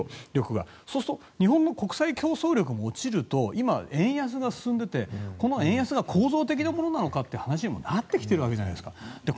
そうすると日本の国際競争力も落ちると今、円安が進んでいてこの円安が構造的なものなのかって話にもなってきているわけじゃないですか。